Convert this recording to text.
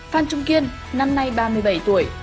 phan trung kiên năm nay ba mươi bảy tuổi